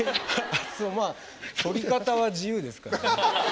まあとり方は自由ですからね。